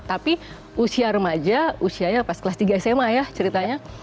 tapi usia remaja usianya pas kelas tiga sma ya ceritanya